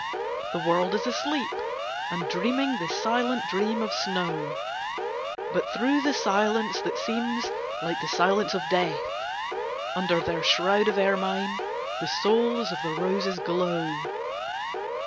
The world is asleep, and dreaming the silent dream of snow, But through the silence that seems like the silence of death, Under their shroud of ermine, the souls of the roses glow.